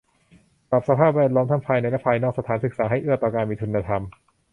ปรับสภาพแวดล้อมทั้งภายในและภายนอกสถานศึกษาให้เอื้อต่อการมีคุณธรรม